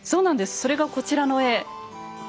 それがこちらの絵。